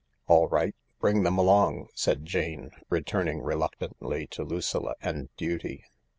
"All right, bring them along," said Jane, returning reluctantly to Lucilla and duty.